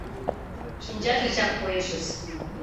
Шинчаж гычак коешыс.